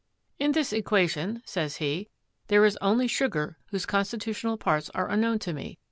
"In this equation," says he, "there is only sugar whose constitutional parts are unknown to me.